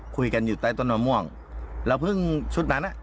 คุยกันอยู่ใต้ต้นมะม่วงแล้วพึ่งชุดนั้นอ่ะ